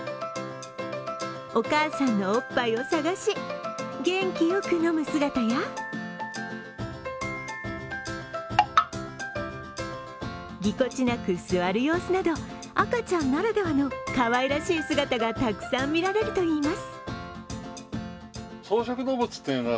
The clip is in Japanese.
お母さんのおっぱいを探し、元気よく飲む姿や、ぎこちなく座る様子など、赤ちゃんならではのかわいらしい姿がたくさん見られるといいます。